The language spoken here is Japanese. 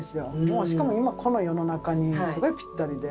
もうしかも今、この世の中にすごいぴったりで。